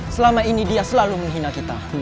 selama ini dia selalu menghina kita